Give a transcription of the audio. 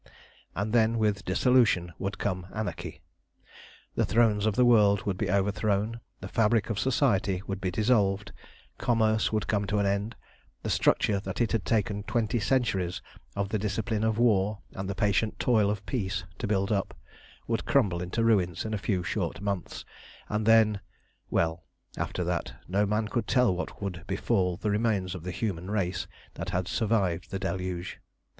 And then with dissolution would come anarchy. The thrones of the world would be overthrown, the fabric of Society would be dissolved, commerce would come to an end, the structure that it had taken twenty centuries of the discipline of war and the patient toil of peace to build up, would crumble into ruins in a few short months, and then well, after that no man could tell what would befall the remains of the human race that had survived the deluge.